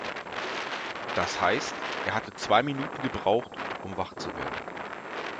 Das heißt, er hatte zwei Minuten gebraucht, um wach zu werden.